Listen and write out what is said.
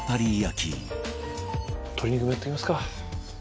鶏肉もやっておきますか。